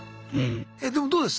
えでもどうです？